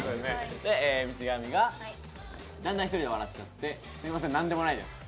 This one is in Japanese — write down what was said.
で道上が「だんだん１人で笑っちゃって“すいません何でもないです”」。